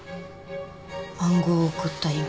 暗号を送った意味。